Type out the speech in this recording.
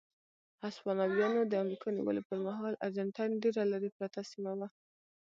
هسپانویانو د امریکا نیولو پر مهال ارجنټاین ډېره لرې پرته سیمه وه.